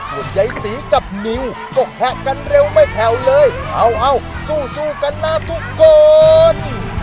คุณยายศรีกับนิวก็แคะกันเร็วไม่แผ่วเลยเอาสู้กันนะทุกคน